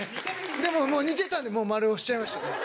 でももう似てたんでもう「○」押しちゃいました。